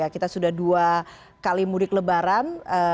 kita sudah dua kali mudik lebaran